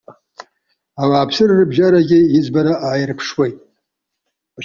Ауааԥсыра рыбжьарагьы иӡбара ааирԥшуеит.